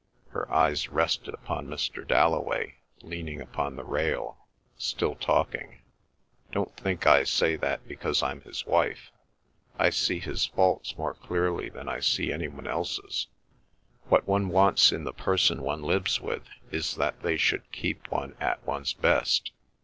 Her eyes rested upon Mr. Dalloway, leaning upon the rail, still talking. "Don't think I say that because I'm his wife—I see his faults more clearly than I see any one else's. What one wants in the person one lives with is that they should keep one at one's best.